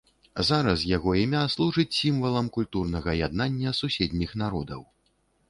Зараз яго імя служыць сімвалам культурнага яднання суседніх народаў.